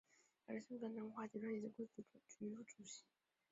担任香港南华集团有限公司董事局主席。